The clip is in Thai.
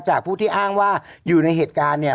ผู้ที่อ้างว่าอยู่ในเหตุการณ์เนี่ย